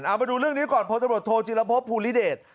กลับมาดูเรื่องนี้ก่อนเพราะจะบริษัทโทษจิลภพภูลิเดช